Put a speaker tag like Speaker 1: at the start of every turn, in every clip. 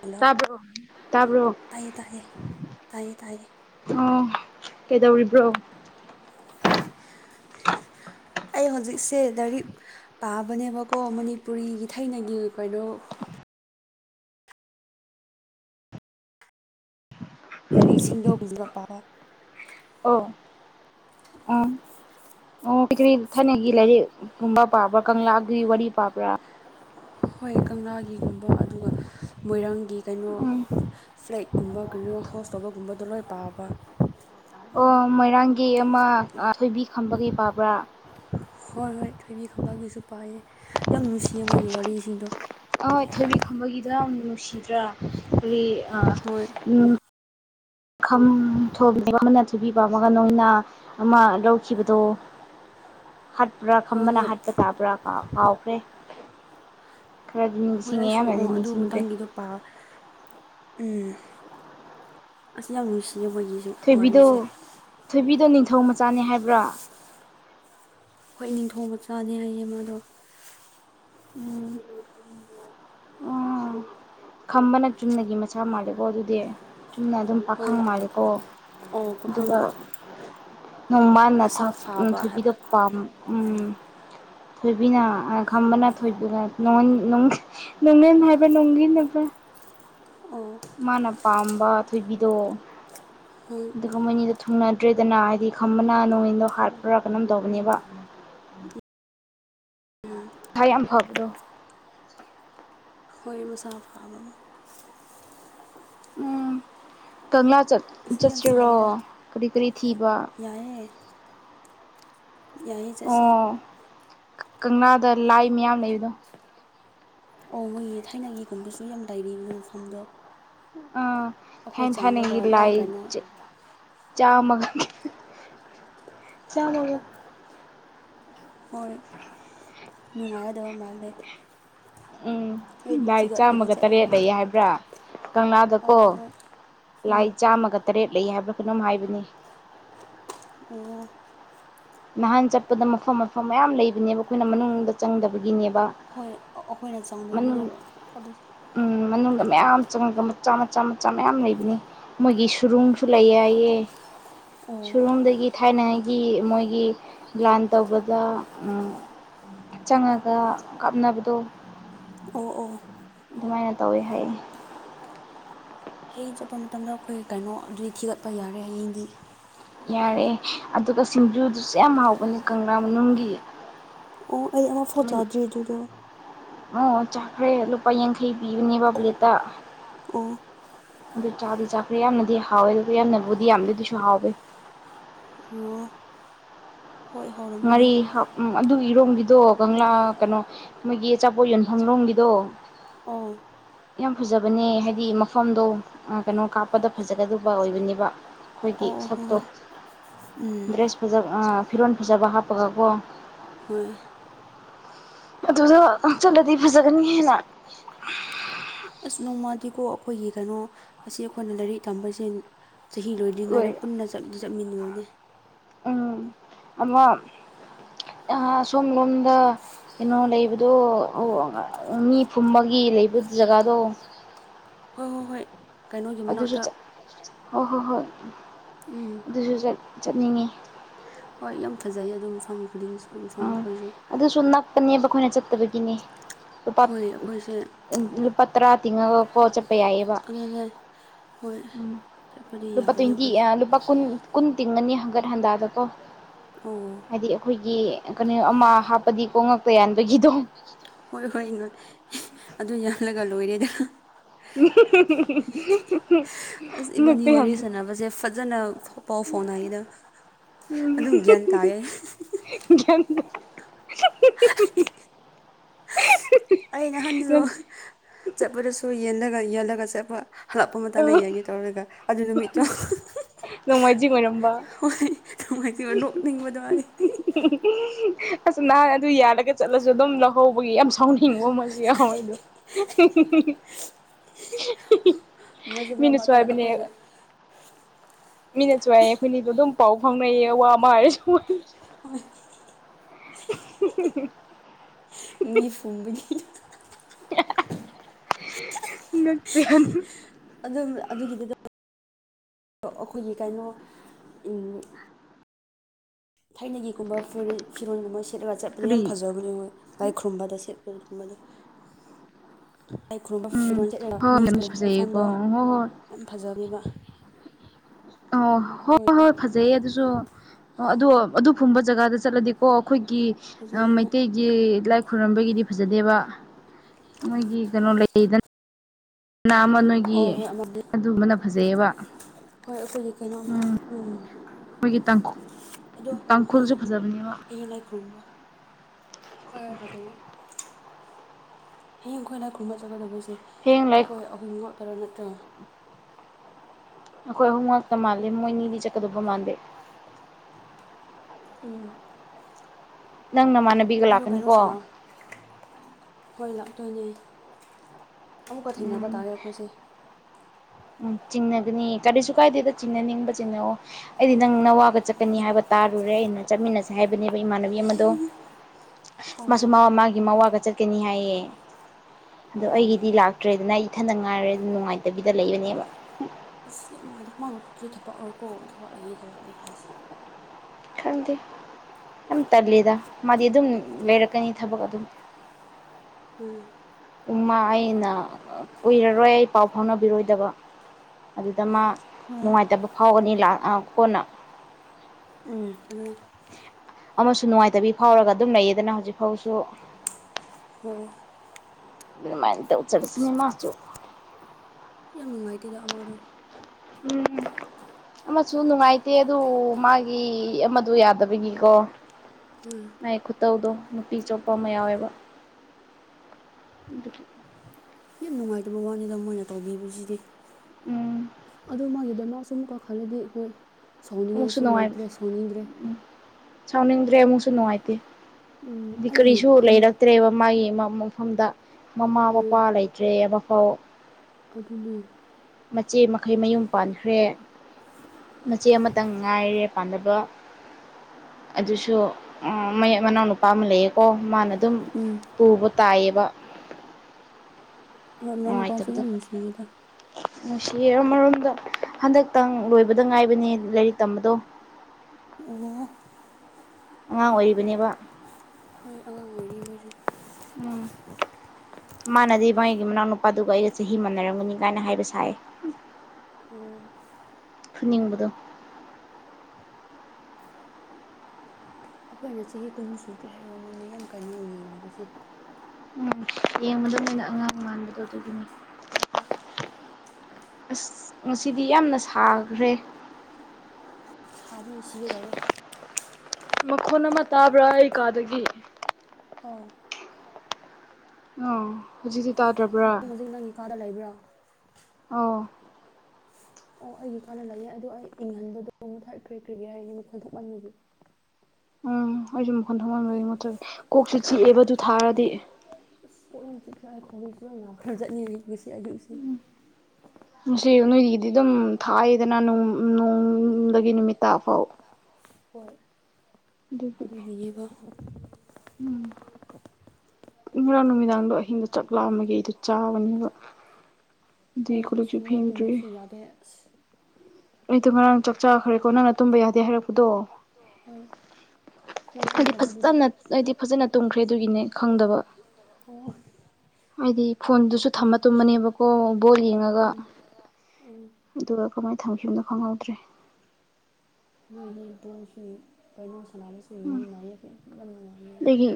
Speaker 1: hello
Speaker 2: ꯇꯥꯕ꯭ꯔꯣ ꯇꯥꯕ꯭ꯔꯣ
Speaker 1: ꯇꯥꯏꯌꯦ ꯇꯥꯏꯌꯦ ꯇꯥꯏꯌꯦ ꯇꯥꯏꯌꯦ
Speaker 2: ꯑꯣ ꯀꯩꯗꯧꯔꯤꯕ꯭ꯔꯣ
Speaker 1: ꯑꯩ ꯍꯧꯖꯤꯛꯁꯦ ꯂꯥꯏꯔꯤꯛ ꯄꯥꯕꯅꯦꯕꯀꯣ ꯃꯅꯤꯄꯨꯔꯤꯒꯤ ꯊꯩꯅꯒꯤ ꯀꯩꯅꯣ ꯂꯥꯏꯔꯤꯛ ꯏꯁꯤꯡꯗꯣ ꯍꯨꯖꯤꯈꯛ ꯄꯥꯕ
Speaker 2: ꯑꯣ ꯑꯥ ꯑꯣ ꯀ꯭ꯔꯤ ꯀꯔꯤ ꯊꯥꯢꯅꯒꯤ ꯂꯥꯏꯔꯤꯛꯀꯨꯝꯕ ꯄꯥꯕ꯭ꯔꯥ ꯀꯪꯂꯥꯒꯤ ꯋꯥꯔꯤ ꯄꯥꯕ꯭ꯔꯥ
Speaker 1: ꯍꯣꯏ ꯀꯪꯂꯥꯒꯤꯒꯨꯝꯕ ꯑꯗꯨꯒ ꯃꯣꯏꯔꯥꯡꯒꯤ ꯀꯩꯅꯣ
Speaker 2: ꯎꯝ
Speaker 1: ꯐ꯭ꯂꯦꯛꯀꯨꯝꯕ ꯀꯔꯤꯅꯣ ꯍꯣꯁ ꯇꯧꯕꯒꯨꯝꯕꯗꯣ ꯂꯣꯏ ꯄꯥꯕ
Speaker 2: ꯑꯣ ꯃꯣꯏꯔꯥꯡꯒꯤ ꯑꯃ ꯑ ꯊꯣꯏꯕꯤ ꯈꯝꯕꯒꯤ ꯄꯥꯕ꯭ꯔꯥ
Speaker 1: ꯍꯣꯏ ꯍꯣꯏ ꯊꯣꯏꯕꯤ ꯈꯝꯄꯒꯤꯁꯨ ꯄꯥꯏꯌꯦ ꯌꯥꯝ ꯅꯨꯡꯁꯤꯌꯦ ꯃꫭꯒꯤ ꯋꯥꯔꯤꯁꯤꯡꯗꯣ
Speaker 2: ꯍꯣꯏ ꯊꯣꯏꯕꯤ ꯈꯝꯕꯒꯤꯗꯣ ꯌꯥꯝ ꯅꯨꯡꯁꯤꯗ꯭ꯔꯥ ꯀꯔꯤ
Speaker 1: ꯍꯣꯏ
Speaker 2: ꯈꯝ ꯊꯣꯕꯤꯕ ꯑꯃꯅ ꯊꯣꯏꯕꯤ ꯄꯥꯝꯃꯒ ꯅꯣꯏꯅ ꯑꯃ ꯂꯧꯈꯤꯕꯗꯣ ꯍꯥꯠꯄ꯭ꯔꯥ
Speaker 1: ꯍꯣꯏ
Speaker 2: ꯈꯝꯕꯅ
Speaker 1: ꯍꯣꯏ
Speaker 2: ꯍꯥꯠꯄ ꯇꯥꯕ꯭ꯔꯥ ꯀꯥꯎꯈ꯭ꯔꯦ ꯈꯔꯗꯤ
Speaker 1: ꯍꯣꯏ
Speaker 2: ꯅꯤꯡꯁꯤꯡꯉꯦ
Speaker 1: ꯑꯩꯁꯨ
Speaker 2: ꯑꯌꯥꯝꯕꯗꯤ
Speaker 1: ꯑꯣ ꯑꯗꯨ
Speaker 2: ꯅꯤꯡꯁꯤꯡꯗ꯭ꯔꯦ
Speaker 1: ꯃꯇꯥꯡꯒꯤꯗꯣ ꯄꯥ ꯎꯝ ꯑꯁꯤ ꯌꯥꯝ ꯅꯨꯡꯁꯤꯌꯦ ꯃꯣꯏꯒꯤ
Speaker 2: ꯊꯣꯏꯕꯤꯗꯣ ꯊꯣꯏꯕꯤꯗꯣ ꯅꯤꯡꯊꯧ ꯃꯆꯥꯅꯦ ꯍꯥꯏꯕ꯭ꯔꯥ
Speaker 1: ꯍꫭꯏ ꯅꯤꯡꯊꯧ ꯃꯆꯥꯅꯦ ꯍꯥꯏꯌꯦ ꯃꯥꯗꯣ
Speaker 2: ꯎꯝ ꯎ ꯈꯝꯕꯅ ꯆꯨꯝꯅꯒꯤ ꯃꯆꯥ ꯃꯥꯜꯂꯦꯀꯣ ꯑꯗꯨꯗꯤ ꯆꯨꯝꯅ ꯑꯗꯨꯝ
Speaker 1: ꯍꯣꯏ
Speaker 2: ꯄꯥꯈꯪ ꯃꯥꯂꯦꯀꯣ
Speaker 1: ꯑꯣ ꯄꯥꯈꯪ
Speaker 2: ꯑꯗꯨꯒ ꯅꯣꯡꯃꯅ
Speaker 1: ꯃꯁꯥ
Speaker 2: ꯎ
Speaker 1: ꯐꯥꯕ ꯍꯥꯏꯕ
Speaker 2: ꯊꯣꯏꯕꯤꯗ ꯄꯥꯝ ꯎꯝ ꯊꯣꯏꯕꯤꯅ ꯈꯝꯕꯅ ꯊꯣꯏꯕꯤꯅ ꯅꯣꯡꯅꯦ ꯍꯥꯏꯕ ꯅꯣꯡꯒꯤꯅ UNINTELLIGIBLE
Speaker 1: ꯑꯣ
Speaker 2: ꯃꯥꯅ ꯄꯥꯝꯕ ꯊꯣꯏꯕꯤꯗꯣ
Speaker 1: ꯍꯣꯏ
Speaker 2: ꯑꯗꯨꯒ ꯃꯣꯏꯅꯤꯗꯣ ꯊꯨꯡꯅꯗ꯭ꯔꯦꯗꯅ ꯍꯥꯏꯗꯤ ꯈꯝꯕꯅ ꯅꯣꯡꯏꯟꯗꯣ ꯍꯥꯠꯄ꯭ꯔꯥ ꯀꯩꯅꯣꯝ ꯇꯧꯕꯅꯦꯕ
Speaker 1: ꯎꯝ
Speaker 2: ꯍꯥꯏ ꯌꯥꯝꯐꯕꯗꯣ
Speaker 1: ꯍꫭꯏ ꯃꯁꯥ ꯐꯥꯕ ꯑꯃ
Speaker 2: ꯎꯝ ꯀꯪꯂꯥ
Speaker 1: ꯑꯁꯤ ꯌꯥꯝ
Speaker 2: ꯆꯠꯁꯤꯔꯣ
Speaker 1: ꯁꯥꯏꯗ
Speaker 2: ꯀꯔꯤ ꯀꯔꯤ ꯊꯤꯕ
Speaker 1: ꯌꯥꯏꯌꯦ ꯌꯥꯏꯌꯦ ꯆꯠꯁꯦ
Speaker 2: ꯑꯣ ꯀꯪꯂꯥꯗ ꯂꯥꯏ ꯃꯌꯥꯝ ꯂꯩꯕꯗꯣ
Speaker 1: ꯑꯣ ꯃꯣꯏꯒꯤ ꯊꯥꯏꯅꯒꯤꯒꯨꯝꯕꯁꯨ ꯌꯥꯝ ꯂꯩꯥꯏꯔꯤꯕꯅꯦ ꯃꯐꯝꯗꯣ
Speaker 2: ꯎꯝ ꯊꯥꯏ
Speaker 1: ꯑꯩꯈꯣꯏ ꯆꯪꯔꯒ
Speaker 2: ꯊꯥꯅꯒꯤ
Speaker 1: ꯂꯣꯏ
Speaker 2: ꯂꯥꯏ
Speaker 1: ꯀꯩꯅꯣ
Speaker 2: ꯆꯥꯃꯒꯝ ꯆꯥꯃꯒ
Speaker 1: ꯍꯣꯏ ꯅꯨꯡꯉꯥꯏꯒꯗꯕ ꯃꯥꯜꯂ
Speaker 2: ꯎꯝ ꯂꯥꯏ ꯆꯥꯝꯃꯒ ꯇꯔꯦꯠ
Speaker 1: ꯆꯠꯂꯒ
Speaker 2: ꯂꯩ ꯍꯥꯏꯕ꯭ꯔꯥ ꯀꯪꯂꯥꯗꯀꯣ
Speaker 1: ꯑꯣ ꯍꯣꯏ
Speaker 2: ꯂꯥꯏ
Speaker 1: ꯎꯝ
Speaker 2: ꯆꯥꯝꯃꯒ ꯇꯔꯦꯠ ꯂꯩ ꯍꯥꯏꯕ꯭ꯔꯥ ꯀꯩꯅꯣꯝ ꯍꯥꯏꯕꯅꯤ
Speaker 1: ꯑꯣ
Speaker 2: ꯅꯍꯥꯟ ꯆꯠꯄꯗ ꯃꯐꯝ ꯃꯐꯝ ꯃꯌꯥꯝ ꯂꯩꯕꯅꯦꯕ ꯑꯩꯈꯣꯏꯅ ꯃꯅꯨꯡꯗ ꯆꯪꯗꯕꯒꯤꯅꯦꯕ
Speaker 1: ꯍꯣꯏ ꯑꯩꯈꯣꯏꯅ
Speaker 2: ꯃꯅꯨꯡ
Speaker 1: ꯆꯪꯗꯕꯤꯗ
Speaker 2: ꯎꯝ ꯃꯅꯨꯡꯗ ꯃꯌꯥꯝ ꯆꯪꯉꯒ ꯃꯆꯥ ꯃꯆꯥ ꯃꯆꯥ ꯃꯌꯥꯝ ꯂꯩꯕꯅꯤ ꯃꯣꯏꯒꯤ ꯁꯨꯔꯨꯝꯁꯨ ꯂꯩ ꯍꯥꯏꯌꯦ
Speaker 1: ꯑꯣ
Speaker 2: ꯁꯨꯔꯨꯝꯗꯒꯤ ꯊꯥꯏꯅꯉꯩꯒꯤ ꯃꯣꯏ ꯑꯩ ꯒꯤ ꯂꯥꯟ ꯇꯧꯕꯗ ꯆꯪꯉꯒ ꯀꯥꯞꯅꯕꯗꯣ
Speaker 1: ꯑꯣ ꯑꯣ
Speaker 2: ꯑꯗꯨꯃꯥꯏꯅ ꯇꯧꯋꯦ ꯍꯥꯏꯌꯦ
Speaker 1: ꯍꯌꯦꯡ ꯆꯠꯄ ꯃꯇꯝꯗ ꯑꯩꯈꯣꯏ ꯀꯩꯅꯣ ꯑꯗꯨꯗꯤ ꯊꯤꯒꯠꯄ ꯌꯥꯔꯦ ꯍꯌꯦꯡꯗꯤ
Speaker 2: ꯌꯥꯔꯦ ꯑꯗꯨꯒ ꯁꯤꯡꯖꯨꯗꯨꯁꯨ ꯌꯥꯝ ꯍꯥꯎꯕꯅꯤ ꯀꯪꯂꯥ ꯃꯅꯨꯡꯒꯤ
Speaker 1: ꯑꯣ ꯑꯩ ꯑꯃ ꯐꯥꯎ ꯆꯥꯗ꯭ꯔꯤ ꯑꯗꯨꯗꯣ
Speaker 2: ꯑꯣ ꯆꯥꯈ꯭ꯔꯦ ꯂꯨꯄꯥ ꯌꯥꯡꯈꯩ ꯄꯤꯕꯅꯦ ꯄꯂꯤꯦꯇ
Speaker 1: ꯑꯣ
Speaker 2: ꯑꯗꯨ ꯆꯥꯗꯤ ꯆꯥꯈ꯭ꯔꯦ ꯌꯥꯝꯅꯗꯤ ꯍꯥꯎꯋꯦ ꯑꯗꯨꯒ ꯌꯥꯝꯅꯕꯨꯗꯤ ꯌꯥꯝꯗꯦ ꯑꯗꯨꯁꯨ ꯍꯥꯎꯋꯦ
Speaker 1: ꯑꯣ ꯍꯣꯏ ꯍꯧꯔꯝꯒꯅꯤ
Speaker 2: ꯉꯔꯤ ꯎꯝ ꯑꯗꯨꯒꯤ ꯏꯔꯣꯝꯒꯤꯗꯣ ꯀꯪꯂꯥ ꯀꯩꯅꯣ ꯃꯣꯏꯒꯤ ꯑꯆꯥꯄꯣꯠ ꯌꯣꯟꯐꯝ ꯂꯣꯝꯒꯤꯗꯣ
Speaker 1: ꯑꯥ
Speaker 2: ꯌꯥꯝ ꯐꯖꯕꯅꯦ ꯍꯥꯏꯗꯤ ꯃꯐꯝꯗꯣ ꯀꯩꯅꯣ ꯀꯥꯞꯄꯗ ꯐꯖꯒꯗꯕ ꯑꯣꯏꯕꯅꯦꯕ
Speaker 1: ꯑꯣ
Speaker 2: ꯑꯩꯈꯣꯏꯒꯤ
Speaker 1: ꯑꯣ
Speaker 2: ꯁꯛꯇꯣ
Speaker 1: ꯍꯣꯏ ꯍꯣꯏ ꯎꯝ
Speaker 2: ꯗ꯭ꯔꯦꯁ ꯐꯖ ꯐꯤꯔꯣꯜ ꯐꯖꯕ ꯍꯥꯞꯄꯒꯀꯣ
Speaker 1: ꯍꯣꯏ
Speaker 2: ꯑꯗꯨꯗꯣ ꯆꯠꯂꯗꯤ ꯐꯖꯒꯅꯤ ꯍꯥꯏꯅ
Speaker 1: ꯑ ꯅꯣꯡꯃꯗꯤꯀꯣ ꯑꯩꯈꯣꯏꯒꯤ ꯀꯩꯅꯣ ꯑꯁꯤ ꯑꯩꯈꯣꯏꯅ ꯂꯥꯏꯔꯤꯛ ꯇꯝꯕꯁꯦ ꯆꯍꯤ ꯂꯣꯏꯗ꯭ꯔꯤꯉꯩꯗ
Speaker 2: ꯂꯣꯏ
Speaker 1: ꯄꯨꯟꯅ ꯆꯠꯂꯤ ꯆꯠꯃꯤꯟꯅꯕꯅꯦ
Speaker 2: ꯎꯝ ꯑꯃ ꯁꯣꯝ ꯂꯣꯝꯗ ꯀꯩꯅꯣ ꯂꯩꯕꯗꯣ ꯃꯤ ꯐꯨꯝꯕꯒꯤ ꯂꯩꯕ ꯖꯒꯥꯗꯣ
Speaker 1: ꯍꯣꯏ ꯍꯣꯏ ꯍꯣꯏ ꯀꯩꯅꯣꯒꯤ
Speaker 2: ꯑꯗꯨꯁꯨ
Speaker 1: ꯃꯅꯥꯛꯇ
Speaker 2: ꯆꯠ ꯍꯣꯏ ꯍꯣꯏ ꯍꯣꯏ
Speaker 1: ꯎꯝ
Speaker 2: ꯑꯗꯨꯁꯨ ꯆꯠꯅꯤꯡꯉꯤ
Speaker 1: ꯍꯣꯏ ꯌꯥꯝ ꯐꯖꯩ ꯑꯗꯨ ꯃꯐꯝ ꯈꯨꯗꯤꯡꯁꯨ ꯃꯐꯝ ꯑꫭꯏꯁꯨ
Speaker 2: ꯄꯅꯦꯛꯕ ꯑꯩꯈꯣꯏꯅ ꯆꯠꯇꯕꯒꯤꯅꯦ ꯂꯨꯄꯥ
Speaker 1: ꯍꯣꯏ ꯑꯩꯈꯣꯏꯁꯦ
Speaker 2: ꯂꯨꯄꯥꯇꯔ ꯇꯤꯡꯉꯒꯥ ꯀꫭ ꯆꯠ ꯌꯥꯏꯌꯦꯕ
Speaker 1: ꯑꯗꯨꯅꯦ ꯍꯣꯏ
Speaker 2: ꯎꯝ
Speaker 1: ꯆꯠꯄꯗꯤ
Speaker 2: ꯂꯨꯄꯥ
Speaker 1: ꯌꯥꯕꯅꯦ
Speaker 2: ꯇ꯭ꯋꯦꯟꯇꯤ
Speaker 1: ꯑꯩꯈꯣꯏꯁꯦ
Speaker 2: ꯂꯨꯄꯥ ꯀꯨꯟ ꯀꯨꯟ ꯇꯤꯡꯉꯅꯤ ꯍꯪꯒꯠ ꯍꯟꯗꯥꯗꯀꯣ
Speaker 1: ꯎꯝ
Speaker 2: ꯍꯥꯏꯗꯤ ꯑꯩꯈꯣꯏꯒꯤ ꯀꯩꯅꯣ ꯑꯃ ꯍꯥꯞꯄꯗꯤꯀꯣ ꯉꯛꯇ ꯌꯥꯟꯕꯒꯤꯗꯣ
Speaker 1: ꯍꯣꯏ ꯍꯣꯏ ꯑꯗꯨ ꯌꯥꯜꯂꯒ ꯂꯣꯏꯔꯦꯗ
Speaker 2: [unintelligible]
Speaker 1: ꯑꯁ ꯏꯕꯅꯤ
Speaker 2: ꯉꯛꯇ
Speaker 1: ꯋꯥꯔꯤ ꯁꯅꯕꯁꯦ ꯐꯖꯅ ꯄꯥꯎ ꯐꯥꯎꯅꯩꯗ ꯑꯗꯨꯝ ꯒ꯭ꯌꯥꯟ ꯇꯥꯏꯌꯦ
Speaker 2: ꯒꯌ꯭ꯥꯟ
Speaker 1: ꯑꯩ ꯅꯍꯥꯟꯁꯨ ꯆꯠꯄꯗꯁꯨ ꯌꯦꯡꯉꯒ ꯌꯦꯡꯉꯒ ꯆꯠꯄ ꯍꯜꯂꯛꯄ ꯃꯇꯝꯗ ꯌꯦꯡꯉꯦ ꯇꯧꯔꯒ ꯑꯗꯨ ꯅꯨꯃꯤꯠꯇꯣ
Speaker 2: ꯅꯣꯡꯃꯥꯏꯖꯤꯡ ꯑꯣꯏꯔꯝꯕ
Speaker 1: ꯍꯣꯏ ꯅꯣꯡꯃꯥꯏꯖꯤꯡ ꯑꯣꯏꯔꯝꯕ ꯅꯣꯛꯅꯤꯡꯕꯗꯣ ꯑꯩ
Speaker 2: ꯑꯁ ꯅꯍꯥꯟ ꯑꯗꯨ ꯌꯥꯜꯂꯒ ꯆꯠꯂꯁꯨ ꯑꯗꯨꯝ ꯂꯧꯍꯧꯕꯒꯤ ꯌꯥꯝ ꯁꯥꯎꯅꯩ ꯑꯃ ꯌꯥꯎꯌꯦ
Speaker 1: ꯃꯣꯏꯁꯦ ꯃꯔꯛ ꯃꯔꯛꯇ ꯑꯩꯈꯣꯏꯅ
Speaker 2: ꯃꯤꯅꯁꯨ ꯍꯥꯏꯌꯦ ꯑꯩꯈꯣꯏꯅꯤꯗꯣ ꯑꯗꯨꯝ ꯄꯥꯎ ꯐꯥꯎꯅꯩꯌꯦ ꯋꯥ ꯑꯃ ꯍꯥꯏꯔꯁꯨ ꯋꯥꯍꯩ
Speaker 1: ꯍꯣꯏ
Speaker 2: [inaudible]
Speaker 1: ꯃꯤ ꯐꯨꯝꯕꯒꯅꯤ
Speaker 2: ꯉꯛꯇ ꯌꯥꯟ
Speaker 1: ꯑꯗꯨꯝ ꯑꯗꯨꯒꯤꯗꯨꯗ ꯑꯩꯈꯣꯏꯒꯤ ꯀꯩꯅꯣ ꯊꯥꯏꯅꯒꯤꯒꯨꯝꯕ ꯐꯨꯔꯤꯠ ꯐꯤꯔꯣꯟꯒꯨꯝꯕ ꯁꯦꯠꯂꯒ ꯆꯠꯄꯗꯣ
Speaker 2: ꯀꯔꯤ
Speaker 1: ꯌꯥꯝ ꯐꯖꯕꯅꯦ ꯍꯣꯏ ꯂꯥꯏꯈꯨꯔꯨꯝꯕꯗ ꯁꯦꯠꯄ ꯑꯗꯨꯒꯨꯝꯕꯗꯣ ꯂꯥꯏ ꯈꯨꯔꯨꯝꯕ
Speaker 2: ꯎꯝ
Speaker 1: ꯐꯤꯔꯣꯟ ꯆꯠꯂ
Speaker 2: ꯍꯣꯏ
Speaker 1: ꯅꯤꯖꯄ
Speaker 2: ꯃꯤꯅꯨꯡꯁꯤ ꯐꯖꯩꯌꯦꯀꯣ
Speaker 1: ꯃꯐꯝꯗ
Speaker 2: ꯍꯣꯏ ꯍꯣꯏ
Speaker 1: ꯌꯥꯝ ꯐꯖꯕꯤꯅꯦꯕ
Speaker 2: ꯑꯣ ꯍꯣꯏ ꯍꯣꯏ ꯐꯖꯩꯌꯦ ꯑꯗꯨꯁꯨ ꯑꯗꯣ ꯑꯗꯨꯒꯨꯝꯕ ꯖꯒꯥꯗ ꯆꯠꯂꯗꯤꯀꯣ ꯑꯩꯈꯣꯏꯒꯤ
Speaker 1: ꯐꯖꯩꯌꯦ ꯍꯣꯏ
Speaker 2: ꯃꯩꯇꯩ ꯒꯤ ꯂꯥꯏ ꯈꯨꯔꯨꯝꯕꯒꯤꯗꯤ ꯐꯖꯗꯦꯕ ꯃꯣꯏꯒꯤ ꯀꯩꯅꯣ ꯂꯩꯗꯅ ꯑꯃꯥ ꯅꯣꯏꯒꯤ
Speaker 1: ꯑꯣ ꯍꯣꯏ ꯑꯃꯗꯤ
Speaker 2: ꯑꯗꯨꯝꯕꯅ ꯐꯖꯩꯌꯦꯕ
Speaker 1: ꯍꯣꯏ ꯑꯩꯈꯣꯏꯒꯤ ꯀꯩꯅꯣꯝꯃ ꯎꯝ
Speaker 2: ꯃꯣꯏꯒꯤ
Speaker 1: ꯑꯗꯣ ꯑꯣ ꯍꯩ
Speaker 2: ꯇꯥꯡꯈꯨꯜꯁꯨ ꯐꯖꯕꯅꯦꯕ
Speaker 1: ꯍꯌꯦꯡ ꯂꯥꯏ ꯈꯨꯔꯨꯝꯕ ꯍꯣꯏ ꯍꯣꯏ ꯑꯗꯨ ꯍꯌꯦꯡ ꯑꯩꯈꯣꯏꯅꯥ ꯈꯨꯝꯕ ꯆꯠꯀꯥꯗꯕꯁꯦ
Speaker 2: ꯍꯌꯦꯡ ꯂꯥꯏ
Speaker 1: ꯑꯩꯈꯣꯏ ꯑꯍꯨꯝ ꯉꯥꯛꯇꯔꯣ ꯅꯠꯇ꯭ꯔꯥꯒꯥ
Speaker 2: ꯑꯩꯈꯣꯏ ꯑꯍꯨꯝ ꯉꯥꯛꯇ ꯃꯥꯜꯂꯦ ꯃꯣꯏꯅꯤꯗꯤ ꯆꯠꯀꯗꯕ ꯃꯥꯟꯗꯦ
Speaker 1: ꯎꯝ
Speaker 2: ꯅꯪ ꯅꯃꯥꯟꯅ
Speaker 1: ꯃꯣꯏꯗꯣ ꯀꯩꯅꯣꯁꯟꯅꯧ ꯍꯣꯏ ꯂꯥꯛꯇꯣꯏꯅꯦ ꯑꯃꯨꯛꯀ ꯊꯦꯡꯅꯕ
Speaker 2: ꯎꯝ
Speaker 1: ꯇꯥꯔꯦ ꯑꯩꯈꯣꯏꯁꯦ
Speaker 2: ꯎꯝ ꯆꯤꯡꯅꯒꯅꯤ ꯀꯔꯤꯁꯨ ꯀꯥꯏꯗꯦꯗ ꯆꯤꯡꯅꯅꯤꯡꯕ ꯆꯤꯡꯅꯧꯑꯣ ꯑꯩꯗꯤ ꯅꯪ ꯅꯋꯥꯒ ꯆꯠꯀꯅꯤ ꯍꯥꯏꯕ ꯇꯥꯔꯨꯔꯦ ꯑꯩꯅ ꯆꯠꯃꯤꯟꯅꯁꯦ ꯍꯥꯏꯕꯅꯦꯕ ꯏꯃꯥꯟꯅꯕꯤ ꯑꯃꯗꯣ
Speaker 1: ꯑꯣ
Speaker 2: ꯃꯥꯁꯨ ꯃꯥ ꯃꯥꯒꯤ ꯃꯋꯥꯒ ꯆꯠꯀꯅꯤ ꯍꯥꯏꯌꯦ ꯑꯗꯣ
Speaker 1: ꯑꯣ
Speaker 2: ꯑꯩꯒꯤꯗꯤ ꯂꯥꯛꯇ꯭ꯔꯦꯗꯅ ꯑꯩ ꯏꯊꯟꯗ ꯉꯥꯏꯔꯦ ꯑꯗꯨ ꯅꯨꯡꯉꯥꯏꯇꯕꯤꯗ ꯂꯩꯔꯅꯦꯕ
Speaker 1: ꯑꯩ ꯃꯉꯣꯟꯗꯥ ꯃꯥꯕꯨ ꯀꯔꯤ ꯊꯛꯞ ꯑꯣꯔ ꯀꯣꯜ ꯊꯕꯛ ꯂꯩꯌꯦ ꯍꯥꯏꯕꯥ
Speaker 2: ꯈꯪꯗꯦ ꯌꯥꯝ ꯇꯜꯂꯤꯗ ꯃꯥꯗꯤ ꯑꯗꯨꯝ ꯂꯩꯔꯛꯀꯅꯤ ꯊꯕꯛ ꯑꯗꯨꯝ
Speaker 1: ꯍꯣꯏ
Speaker 2: ꯎꯝ ꯃꯥ ꯑꯩꯅ ꯀꯨꯏꯔꯔꯣꯏ ꯑꯩ ꯄꯥꯎ ꯐꯥꯎꯅꯕꯤꯔꯣꯏꯗꯕ ꯑꯗꯨꯗ ꯃꯥ
Speaker 1: ꯍꯣꯏ
Speaker 2: ꯅꯨꯡꯉꯥꯏꯇꯕ ꯐꯥꯎꯒꯅꯤ ꯂꯥꯁ ꯀꯣꯟꯅ
Speaker 1: ꯎꯝ ꯑꯗꯨꯨꯅꯦ
Speaker 2: ꯑꯃꯁꯨ ꯅꯨꯡꯉꯥꯏꯇꯕꯤ ꯐꯥꯎꯔꯒ ꯑꯗꯨꯝ ꯂꯩꯌꯦꯗꯅ ꯍꯧꯖꯤꯛꯐꯥꯎꯁꯨ
Speaker 1: ꯍꯣꯏ
Speaker 2: ꯑꯗꯨꯃꯥꯏ ꯇꯧꯔ ꯆꯠꯂꯥꯁꯤꯅꯦ ꯃꯥꯆꯨ
Speaker 1: ꯌꯥꯝ ꯅꯨꯡꯉꯥꯏꯇꯦꯗ ꯑꯃꯗꯣ
Speaker 2: ꯎꯝ ꯑꯃꯁꯨ ꯅꯨꯡꯉꯥꯏꯇꯦ ꯑꯗꯨ ꯃꯥꯒꯤ ꯑꯃꯗꯣ ꯌꯥꯗꯕꯒꯤꯀꯣ
Speaker 1: ꯎꯝ
Speaker 2: ꯃꯥꯏ ꯈꯨꯇꯧꯗꯣ ꯅꯨꯄꯤ ꯆꯣꯞꯄ ꯑꯃ ꯌꯥꯎꯋꯦꯕ ꯑꯗꯨꯒꯤ
Speaker 1: ꯌꯥꯝ ꯅꯨꯡꯉꯥꯏꯇꯕ ꯋꯥꯅꯤꯗ ꯃꯣꯏꯅ ꯇꯧꯕꯤꯕꯁꯤꯗꯤ
Speaker 2: ꯎꯝ
Speaker 1: ꯑꯗꯣ ꯃꯥꯒꯤꯗꯃꯛ ꯑꯃꯨꯛꯀꯥ ꯈꯜꯂꯗꯤ ꯍꯣꯏ
Speaker 2: ꯑꯃꯨꯛꯁꯨ
Speaker 1: ꯁꯥꯎꯅꯤꯡꯉꯥꯏꯁꯨ
Speaker 2: ꯅꯨꯡꯉꯥꯏ
Speaker 1: ꯂꯩꯇ꯭ꯔꯦ ꯁꯥꯎꯅꯤꯡꯗ꯭ꯔꯦ
Speaker 2: ꯁꯥꯎꯅꯤꯡꯗ꯭ꯔꯦ ꯑꯃꯨꯛꯁꯨ ꯅꯨꯡꯉꯥꯏꯇꯦ
Speaker 1: ꯑꯩꯒꯤ
Speaker 2: ꯀꯔꯤꯁꯨ
Speaker 1: ꯐꯥꯒꯤ
Speaker 2: ꯂꯩꯔꯛꯇ꯭ꯔꯦꯕ ꯃꯥꯒꯤ ꯃꯐꯝꯗ ꯃꯃꯥ
Speaker 1: ꯍꯣꯏ
Speaker 2: ꯃꯄꯥ ꯂꯩꯇ꯭ꯔꯦ ꯑꯃꯐꯥꯎ
Speaker 1: ꯑꯗꯨꯅꯦ
Speaker 2: ꯃꯆꯦ ꯃꯈꯩ ꯃꯌꯨꯝ ꯄꯥꯟꯈ꯭ꯔꯦ ꯃꯆꯦ ꯑꯃꯇꯪ ꯉꯥꯏꯔꯦ ꯄꯥꯟꯗꯥꯕ ꯑꯗꯨꯁꯨ ꯃꯅꯥꯎꯅꯨꯄꯥ ꯑꯃ ꯂꯩꯌꯦꯀꯣ ꯃꯥꯅ ꯑꯗꯨꯝ
Speaker 1: ꯎꯝ
Speaker 2: ꯄꯨꯕ ꯇꯥꯏꯌꯦꯕ
Speaker 1: ꯍꯣꯏ ꯃꯅꯥꯎꯅꯨꯄꯥꯁꯨ
Speaker 2: ꯅꯨꯡꯉꯥꯏꯇꯕꯗꯣ
Speaker 1: ꯌꯥꯝ ꯅꯨꯡꯁꯤꯌꯦꯗ
Speaker 2: ꯅꯨꯡꯁꯤꯌꯦ ꯑꯃꯔꯣꯝꯗ ꯍꯟꯗꯛ ꯈꯤꯇꯪ ꯂꯣꯏꯕꯗ ꯉꯥꯏꯕꯅꯦ ꯂꯥꯏꯔꯤꯛ ꯇꯝꯕꯗꯣ
Speaker 1: ꯑꯣ
Speaker 2: ꯑꯉꯥꯡ ꯑꯣꯏꯔꯤꯕꯅꯦꯕ
Speaker 1: ꯍꯣꯏ ꯑꯉꯥꯡ ꯑꯣꯏꯔꯤ ꯃꯣꯏꯁꯦ
Speaker 2: ꯎꯝ ꯃꯥꯅꯗꯤ ꯃꯒꯤ ꯃꯅꯥꯎ ꯅꯨꯨꯄꯥꯗꯨꯒ ꯑꯩꯒ ꯆꯍꯤ ꯃꯥꯟꯅꯔꯝꯒꯅꯤ ꯀꯥꯏꯅ ꯍꯥꯏꯕ ꯁꯥꯏꯌꯦ
Speaker 1: ꯑꯣ
Speaker 2: ꯐꯨꯅꯤꯡꯕꯗꯣ
Speaker 1: ꯑꯩꯈꯣꯏꯅ ꯆꯍꯤ ꯀꯨꯟ ꯁꯨꯗ꯭ꯔꯤ ꯍꯥꯏꯕꯥ ꯃꯣꯏꯅ ꯌꯥꯝ ꯀꯩꯅꯣ ꯑꯣꯏꯅꯥ ꯌꯦꯡꯉꯤꯕꯁꯤ
Speaker 2: ꯎꯝ ꯌꯦꯡꯕꯗ ꯃꯣꯏꯅꯥ ꯑꯉꯥꯡ ꯃꯥꯟꯕꯗꯣ ꯑꯗꯨꯒꯤꯅꯤ ꯑꯁ ꯉꯁꯤꯗꯤ ꯌꯥꯝꯅ ꯁꯥꯈ꯭ꯔꯦ
Speaker 1: ꯁꯥꯕꯅ ꯁꯤꯒꯗꯧꯔꯦ
Speaker 2: ꯃꯈꯣꯟ ꯑꯃ ꯇꯥꯕ꯭ꯔꯥ ꯑꯩ ꯀꯥꯗꯒꯤ
Speaker 1: ꯑꯧ
Speaker 2: ꯑꯧ ꯍꯧꯖꯤꯛꯇꯤ ꯇꯥꯗ꯭ꯔꯕ꯭ꯔꯥ
Speaker 1: ꯅꯪ ꯍꯧꯖꯤꯛ ꯅꯪꯒꯤ ꯀꯥꯗ ꯂꯩꯕ꯭ꯔꯣ
Speaker 2: ꯑꯧ
Speaker 1: ꯑꯣ ꯑꯩꯒꯤ ꯈꯔꯥ ꯂꯩꯌꯦ ꯑꯗꯣ ꯑꯩ ꯏꯪꯍꯟꯕꯗꯣ ꯃꯨꯠꯊꯠꯈꯔ꯭ꯦ ꯀ꯭ꯔꯤꯒ ꯍꯥꯏꯗꯤ ꯃꯈꯣꯟ ꯊꯣꯛꯃꯟꯕꯒꯤ
Speaker 2: ꯎꯝ ꯑꯩꯁꯨ ꯃꯈꯣꯟ ꯊꯣꯛꯃꯟꯕꯒꯤ ꯃꯨꯠꯊꯠꯈꯔ꯭ꯦ ꯀꯣꯛꯁꯨ ꯆꯤꯛꯑꯦꯕ ꯑꯗꯨ ꯊꯥꯔꯗꯤ
Speaker 1: ꯑꯁ ꯄꯠꯅ ꯆꯤꯛ ꯑꯩ ꯈꯣꯡꯁꯨ ꯂꯣꯏ ꯃꯌꯥꯝ ꯈ ꯆꯠꯅꯤꯡꯔ ꯉꯁꯤ ꯑꯩꯒꯤ ꯏꯁꯩ [inaudible]
Speaker 2: ꯉꯁꯤꯒꯤꯗꯤ ꯑꯗꯨꯝ ꯊꯥꯏꯗ ꯅꯅ [inaudible] ꯅꯣꯡꯗꯒꯤ ꯅꯨꯃꯤꯠ ꯇꯥ ꯐꯥꯎ
Speaker 1: ꯍꯣꯏ
Speaker 2: ꯑꯗꯨꯒꯤ
Speaker 1: ꯑꯗꯨꯒꯤꯅꯦꯕ
Speaker 2: ꯎꯝ ꯉꯔꯥꯡ ꯅꯨꯃꯤꯗꯥꯡꯗꯣ ꯑꯍꯤꯡꯗꯣ ꯆꯥꯛ ꯂꯥꯝꯕꯒꯤ ꯑꯩꯗꯣ ꯆꯥꯕꯅꯦꯕ ꯑꯗꯨꯏ
Speaker 1: ꯍꯣꯏ ꯑꯁ
Speaker 2: ꯀꯣꯂꯤꯛꯁꯨ
Speaker 1: ꯉꯔꯥꯡ
Speaker 2: ꯐꯦꯡꯗ꯭ꯔꯤ
Speaker 1: ꯇꯨꯡꯕꯁꯨ ꯌꯥꯗꯦ ꯑꯁ
Speaker 2: ꯑꯩꯗꯣ ꯉꯔꯥꯡ ꯆꯥꯛ ꯆꯥꯈ꯭ꯔꯦꯀꯣ ꯅꯪꯅ ꯇꯨꯝꯕ ꯌꯥꯗꯦ ꯍꯥꯏꯔꯛꯄꯗꯣ
Speaker 1: ꯑꯣ ꯍꯣꯏ ꯅꯪ
Speaker 2: ꯑꯩꯗꯤ
Speaker 1: ꯇꯨꯝꯈꯔꯕ ꯑꯗꯨꯗ
Speaker 2: ꯐꯖꯅ ꯑꯩꯗꯤ
Speaker 1: ꯐꯖꯅ ꯍꯥꯏꯗꯤ
Speaker 2: ꯇꯨꯝꯈ꯭ꯔꯦ
Speaker 1: ꯐꯖꯅ
Speaker 2: ꯑꯗꯨꯒꯤꯅꯦ
Speaker 1: ꯇꯨꯝꯈ꯭ꯔꯦ ꯑꯗꯨꯒꯤꯅꯦ ꯈꯪꯗꯕ ꯑꯣ
Speaker 2: ꯍꯥꯏꯗꯤ ꯐꯣꯟꯗꯨꯁꯨ ꯊꯝꯃ ꯇꯨꯝꯕꯅꯦꯕꯀꯣ ꯕꯣꯜ ꯌꯦꯡꯉꯒ
Speaker 1: ꯑꯣ
Speaker 2: ꯑꯗꯨꯒ ꯀꯃꯥꯏꯅ ꯊꯝꯈꯤꯕꯅꯣ ꯈꯪꯍꯧꯗ꯭ꯔꯦ
Speaker 1: ꯅꯣꯏꯗꯤ ꯄꯣꯠꯁꯨ ꯀꯩꯅꯣ ꯁꯥꯟꯅꯕꯁꯨ
Speaker 2: ꯎꯝ
Speaker 1: ꯌꯦꯡꯃꯤꯟꯅꯩꯌꯦ ꯌꯥꯝ ꯅꯨꯡꯉꯥꯏꯌꯦ
Speaker 2: ꯑꯗꯒꯤ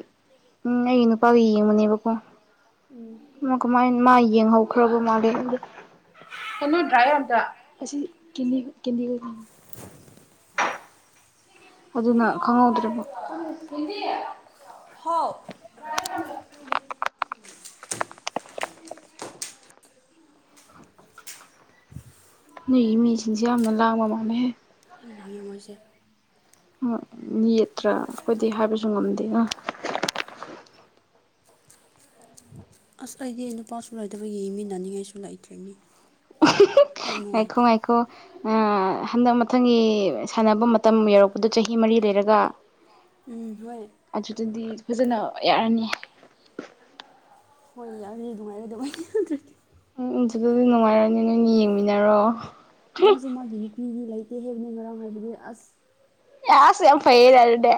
Speaker 2: ꯎꯝ ꯑꯩꯒꯤ ꯅꯨꯄꯥꯒ ꯌꯦꯡꯃꯤꯟꯅꯩꯕꯀꯣ
Speaker 1: ꯎꯝ
Speaker 2: ꯃꯥ ꯀꯃꯥꯏ ꯃꯥ ꯌꯦꯡꯍꯧꯈ꯭ꯔꯕ ꯃꯥꯂꯦ ꯀꯅꯣ ꯗ꯭ꯔꯥꯏ ꯍꯗ ꯑꯁꯤ ꯀꯅꯤ ꯀ [inaudible]
Speaker 1: [inaudible]
Speaker 2: ꯑꯗꯨꯅ ꯈꯪꯍꯧꯗ꯭ꯔꯤꯕ
Speaker 1: ꯍꯥꯎ [inaudible]
Speaker 2: ꯅꯣꯏꯒꯤ ꯃꯤꯁꯤꯡꯁꯦ ꯌꯥꯝꯅ ꯂꯥꯡꯕ ꯃꯥꯥꯟꯂꯦ
Speaker 1: ꯌꯥꯝ ꯍꯥꯡꯉꯦ ꯃꯣꯏꯁꯦ [inaudible]
Speaker 2: ꯎ ꯌꯦꯠꯇ꯭ꯔꯥ ꯑꯩꯈꯣꯏꯗꯤ ꯍꯥꯏꯕꯁꯨ ꯉꯝꯗꯦ ꯑ
Speaker 1: ꯑꯁ ꯑꯩꯗꯤ ꯅꯨꯄꯥꯁꯨ ꯂꯩꯇꯕꯒꯤ ꯌꯦꯡꯃꯤꯟꯅꯅꯤꯡꯉꯥꯏꯁꯨ ꯂꯩꯇ꯭ꯔꯤ ꯃꯤ ꯌꯥꯝ
Speaker 2: ꯉꯥꯢꯈꯣ
Speaker 1: ꯅꯨꯡꯉꯥꯏꯇꯦ
Speaker 2: ꯉꯥꯢꯈꯣ ꯍꯟꯗꯛ ꯃꯊꯪꯒꯤ ꯁꯥꯟꯅꯕ ꯃꯇꯝ ꯌꯧꯔꯛꯄꯗꯣ ꯆꯍꯤ ꯃꯔꯤ ꯂꯩꯔꯒ
Speaker 1: ꯎꯝ ꯍꯣꯏ
Speaker 2: ꯑꯗꯨꯗꯗꯤ ꯐꯖꯅ ꯌꯥꯔꯅꯤ
Speaker 1: ꯍꯣꯏ ꯌꯥꯔꯅꯤ ꯅꯨꯡꯉꯥꯏꯔꯗꯕꯅꯤ
Speaker 2: ꯎꯝ ꯑꯗꯨꯗꯤ ꯅꯨꯡꯉꯥꯏꯔꯅꯦ ꯅꯣꯏꯅ ꯌꯦꯡꯃꯤꯟꯅꯔꯣ
Speaker 1: ꯃꯥꯁꯨ ꯃꯥꯒꯤ ꯅꯨꯄꯤꯗꯤ ꯂꯩꯇꯦ ꯍꯦ ꯉꯔꯥꯡ ꯍꯥꯏꯕꯗꯤ ꯑꯁ
Speaker 2: ꯑꯁ ꯌꯥꯝ ꯐꯩꯅꯦ ꯑꯗꯨꯗꯤ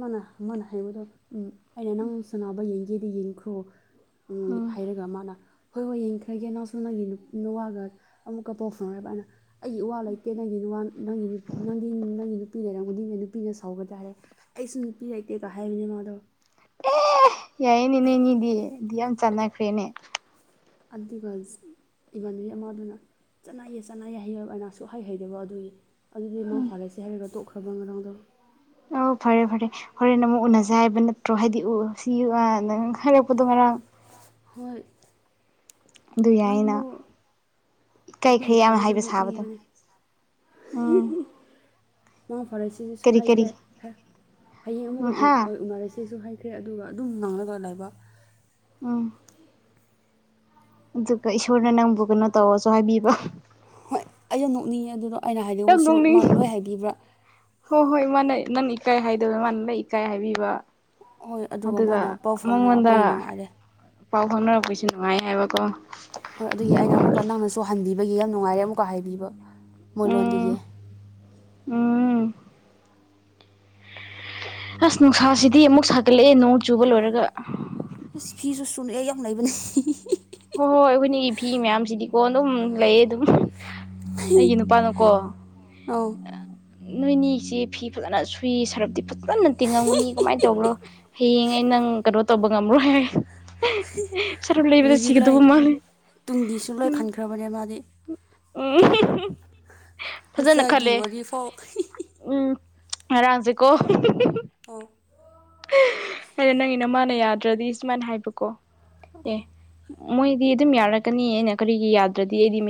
Speaker 1: ꯃꯥꯅ ꯃꯥꯅ ꯍꯥꯏꯕꯗꯣ ꯎ ꯑꯩꯅ ꯅꯪ ꯁꯅꯕ ꯌꯦꯡꯒꯦꯗꯤ ꯌꯦꯡꯈ꯭ꯔꯣ
Speaker 2: ꯎꯝ
Speaker 1: ꯍꯥꯏꯔꯒ ꯃꯥꯅ ꯍꯣꯏ ꯍꯣꯏ ꯌꯦꯡꯈ꯭ꯔꯒꯦ ꯅꯪꯁꯨ ꯅꯪꯒꯤ ꯅꯨꯋꯥꯒ ꯑꯃꯨꯛꯀ ꯄꯥꯎ ꯐꯥꯎꯅꯕ꯭ꯔꯅ ꯑꯩꯒꯤ ꯢꯋꯥ ꯂꯩꯇꯦ ꯅꯪꯒꯤ ꯅꯪꯒꯤ ꯅꯪꯒꯤ ꯅꯪꯒꯤ ꯅꯨꯄꯤ ꯂꯩꯔꯝꯒꯅꯤꯅꯦ ꯅꯨꯄꯤꯅ ꯁꯥꯎꯕ ꯇꯥꯔꯦ ꯑꯩꯁꯨ ꯅꯨꯄꯤ ꯂꯩꯇꯦꯒ ꯍꯥꯏꯕꯅꯦ ꯃꯥꯗꯣ
Speaker 2: ꯑꯦ ꯌꯥꯏꯌꯦ ꯅꯪꯒꯤꯗꯤ ꯌꯥꯝ ꯆꯥꯟꯅꯈ꯭ꯔꯦꯅꯦ
Speaker 1: ꯑꯗꯨꯒ ꯢꯃꯥꯟꯅꯕꯤ ꯑꯃꯗꯨꯅ ꯆꯠꯅꯥꯏꯌꯦ ꯆꯠꯅꯥꯏꯌꯦ ꯍꯥꯏꯩꯥ [inaudible] ꯑꯩꯅꯁꯨꯛ ꯍꯩ ꯍꯩꯗꯕ ꯑꯗꯨꯒꯤ ꯑꯗꯨꯗꯤ ꯃꯥꯡ ꯐꯥꯔꯁꯦ ꯍꯥꯏꯔꯒ ꯇꯣꯛꯈ꯭ꯔꯕ ꯉꯔꯥꯡꯗꯣ
Speaker 2: ꯑꯣ ꯐꯔꯦ ꯐꯔꯦ ꯍꯣꯔꯦꯟ ꯑꯃꯨꯛ ꯎꯅꯖꯦ ꯍꯥꯏꯕ ꯅꯠꯇ꯭ꯔꯣ ꯍꯥꯏꯗꯤ ꯎ ꯁꯤ ꯅꯪ ꯍꯥꯏꯔꯛꯄꯗꯣ ꯉꯔꯥꯡ
Speaker 1: ꯍꯣꯏ
Speaker 2: ꯑꯗꯨ ꯌꯥꯢꯅ
Speaker 1: ꯅꯪꯗꯣ ꯑꯩꯈꯣꯏꯅ ꯊꯥꯕꯗꯣ
Speaker 2: ꯁꯥꯕꯗꯣ
Speaker 1: ꯅꯣꯛꯅꯤꯡꯕꯅꯦ
Speaker 2: ꯎꯝ
Speaker 1: ꯃꯪ ꯐꯥꯔꯁꯤꯁꯨ
Speaker 2: ꯀꯔꯤ ꯀꯔꯤ
Speaker 1: ꯍꯥꯏꯈ꯭ꯔꯦ ꯍꯌꯦꯡ
Speaker 2: ꯎꯝ
Speaker 1: ꯑꯃꯨꯛꯒ
Speaker 2: ꯍꯥ
Speaker 1: ꯎꯅꯔꯁꯦꯁꯨ ꯍꯥꯏꯈ꯭ꯔꯦ ꯑꯗꯨꯒ ꯑꯗꯨꯝ ꯉꯥꯡꯂꯒ ꯂꯥꯏꯕ
Speaker 2: ꯎꯝ ꯑꯗꯨꯒ ꯏꯁꯣꯔꯅ ꯅꯪꯕꯨ ꯀꯩꯅꯣ ꯇꯧꯔꯁꯨ ꯍꯥꯏꯕꯤꯕ
Speaker 1: ꯑꯩ ꯅꯛꯅꯤꯡ ꯑꯗꯨꯗꯣ ꯑꯩꯅ ꯍꯥꯏꯗꯧꯕ
Speaker 2: ꯌꯥꯝ
Speaker 1: ꯁꯨꯔꯨꯠ ꯃꯥꯅ
Speaker 2: ꯅꯣꯛꯅꯤꯡꯉꯤ
Speaker 1: ꯂꯣꯏ ꯍꯥꯏꯕꯤꯕ꯭ꯔꯥ
Speaker 2: ꯍꯣꯏ ꯍꯣꯏ ꯃꯥꯅ ꯅꯪ ꯏꯀꯥꯏ ꯍꯥꯏꯗꯕ ꯃꯥꯅ ꯅꯪ ꯏꯀꯥꯏ ꯍꯥꯏꯕꯤꯕ
Speaker 1: ꯍꯣꯏ
Speaker 2: ꯑꯗꯨꯒ
Speaker 1: ꯃꯥꯅ ꯄꯥꯎ
Speaker 2: ꯃꯉꯉꯣꯟꯗ
Speaker 1: ꯐꯥꯎꯅꯔꯛꯄꯒꯤ ꯅꯨꯡꯉꯥꯏꯔꯦ
Speaker 2: ꯄꯥꯎ ꯐꯪꯅꯔ ꯀꯣꯏꯁꯨ ꯅꯨꯡꯉꯥꯏ ꯍꯥꯏꯕꯀꯣ
Speaker 1: ꯍꯣꯏ ꯑꯗꯨꯒꯤ ꯑꯩꯅ ꯑꯃꯨꯛꯀ ꯅꯪꯅꯁꯨ ꯍꯟꯕꯤꯕꯒꯤ ꯌꯥꯝ ꯅꯨꯡꯉꯥꯏꯔꯦ ꯑꯃꯨꯛꯀ ꯍꯥꯏꯕꯤꯕ ꯃꯣꯏ
Speaker 2: ꯎꯝ
Speaker 1: ꯂꯣꯟꯗꯒꯤ
Speaker 2: ꯎꯝ ꯑꯁ ꯅꯨꯡꯁꯥꯁꯤꯗꯤ ꯑꯃꯨꯛ ꯁꯥꯒꯠꯂꯛꯑꯦ ꯅꯣꯡ ꯆꯨꯕ ꯂꯣꯏꯔꯒ
Speaker 1: ꯑꯁ ꯐꯤꯁꯨ ꯁꯨꯅꯤꯡꯉꯥꯢ ꯌꯥꯝ ꯂꯩꯕꯅꯦ
Speaker 2: ꯍꯣꯏ ꯍꯣꯏ ꯑꯩꯈꯣꯏꯅꯤꯒꯤ ꯐꯤ ꯃꯌꯥꯝꯁꯤꯗꯤꯀꯣ ꯑꯗꯨꯝ ꯂꯩꯌꯦ ꯑꯗꯨꯝ ꯑꯩꯒꯤ ꯅꯨꯄꯥꯅꯀꯣ
Speaker 1: ꯑꯧ
Speaker 2: ꯅꯣꯏꯅꯤꯁꯦ ꯐꯤ ꯐꯖꯅ ꯁꯨꯏ ꯁꯔꯞꯇꯤ ꯐꯖꯅ ꯇꯤꯡꯉꯝꯒꯅꯤ ꯀꯃꯥꯏꯅ ꯇꯧꯕ꯭ꯔꯣ ꯍꯌꯦꯡ ꯑꯩ ꯅꯪ ꯀꯩꯅꯣ ꯇꯧꯕ ꯉꯝꯔꯣꯏ ꯍꯥꯏ ꯁꯔꯥꯞ ꯂꯩꯕꯗ
Speaker 1: ꯒꯤ ꯂꯩ
Speaker 2: ꯁꯤꯒꯗꯧꯕ ꯃꯥꯜꯂꯦ
Speaker 1: ꯇꯨꯡꯒꯤꯁꯨꯨꯡꯂꯣꯏ
Speaker 2: ꯎꯝ
Speaker 1: ꯍꯟꯈ꯭ꯔꯕꯅꯦ ꯃꯥꯗꯤ
Speaker 2: ꯎꯝ ꯐꯖꯅ
Speaker 1: ꯃꯆꯥꯒꯤ
Speaker 2: ꯈꯜꯂꯦ
Speaker 1: ꯋꯥꯔꯤ ꯐꯥꯎ
Speaker 2: ꯎꯝ ꯉꯔꯥꯡꯁꯦ ꯀꯣ
Speaker 1: ꯇꯣ
Speaker 2: ꯑ ꯅꯪ ꯏꯅ ꯃꯥꯅ ꯌꯥꯗ꯭ꯔꯗꯤ ꯁꯨꯃꯥꯏꯅ ꯍꯥꯏꯕꯀꯣ ꯑꯦ
Speaker 1: ꯑꯣ
Speaker 2: ꯃꯣꯏꯗꯤ ꯑꯗꯨꯝ ꯌꯥꯔꯛꯀꯅꯤ ꯑꯩꯅ ꯀꯔꯤꯒꯤ ꯌꯥꯗ꯭ꯔꯗꯤ ꯑꯩꯗꯤ ꯃ